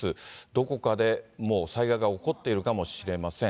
どこかでもう災害が起こっているかもしれません。